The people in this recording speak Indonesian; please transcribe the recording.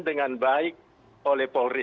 dengan baik oleh polri